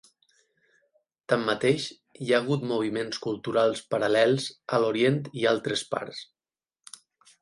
Tanmateix, hi ha hagut moviments culturals paral·lels a l'Orient i altres parts.